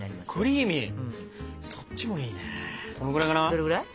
どれぐらい？